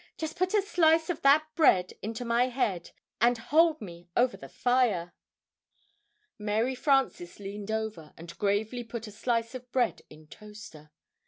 "Just put a slice of that bread into my head, and hold me over the fire." Mary Frances leaned over and gravely put a slice of bread in Toaster.